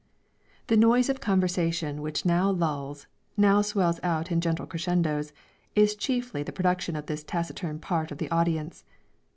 The noise of conversation which now lulls, now swells out in gentle crescendos, is chiefly the production of this taciturn part of the audience.